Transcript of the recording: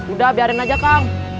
udah biarin aja kang